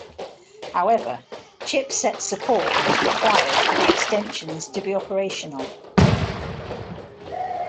However, chipset support is required for the extensions to be operational.